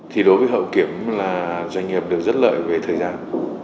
thì đối với hậu kiểm là doanh nghiệp được rất lợi về thời gian